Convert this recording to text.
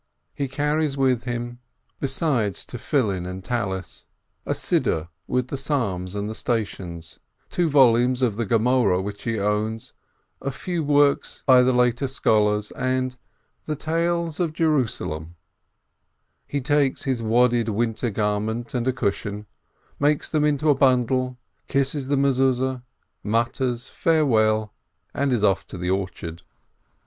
He carries with him, besides phylacteries and prayer scarf, a prayer book with the Psalms and the "Stations," two volumes of the Gemoreh which he owns, a few works by the later scholars, and the Tales of Jerusalem ; he takes his wadded winter garment and a cushion, makes them into a bundle, kisses the Mezuzeh, mutters farewell, and is off to the orchard.